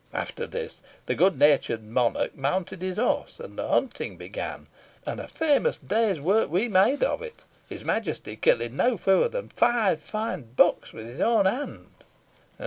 After this, the good natured monarch mounted his horse, and the hunting began, and a famous day's work we made of it, his Majesty killing no fewer than five fine bucks with his own hand."